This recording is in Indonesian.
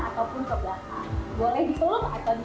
boleh diteluk atau dipenggang kalau benda itu tidak terlihat